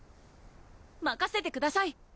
まかせてください！